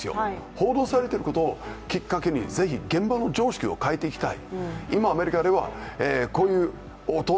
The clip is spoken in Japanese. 報道されていることをきっかけにぜひ、現場の常識を変えていきたい。